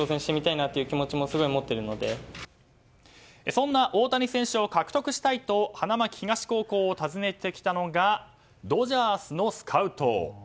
そんな大谷選手を獲得したいと花巻東高校を訪ねてきたのがドジャースのスカウト。